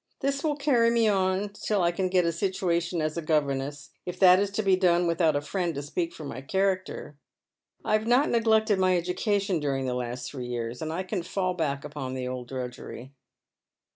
This will cany me on till I can get a situation as a governess — if that is to be done without a friend to speak for my character. I have not neglected my education during the last three years, and I can full back upon the old drudgery."